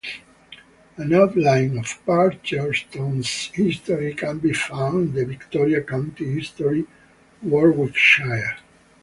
An outline of Barcheston's history can be found in the Victoria County History, Warwickshire.